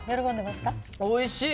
おいしい！